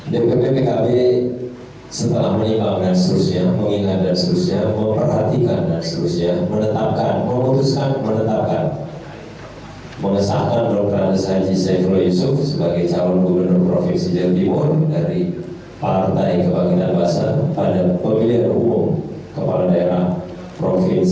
dari partai kebangkitan bangsa pada pemilihan umum kepala daerah provinsi jawa timur dua ribu delapan belas